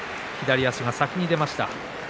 足が先に出ました。